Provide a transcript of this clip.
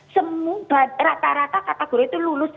semua rata rata kata gori itu lulus